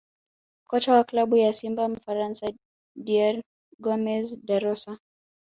Kocha wa klabu ya Simba Mfaransa Didier Gomes Da Rosa